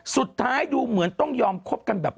สุดท้ายดูเหมือนต้องยอมคบกันแบบ